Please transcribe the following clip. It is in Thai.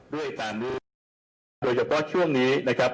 โดยเฉพาะโดยเฉพาะช่วงนี้นะครับ